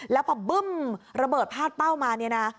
แล้วพอบึ้มระเบิดพาดเป้ามาเนี่ยนะ